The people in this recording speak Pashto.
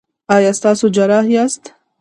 ایا تاسو جراح یاست؟